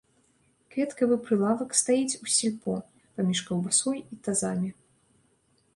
Кветкавы прылавак стаіць у сельпо, паміж каўбасой і тазамі.